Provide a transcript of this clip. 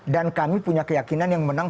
dan kami punya keyakinan yang menang